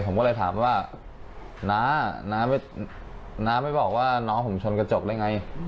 ผมก็เลยถามว่าน้าน้าน้าไม่บอกว่าน้องผมชนกระจกได้ไง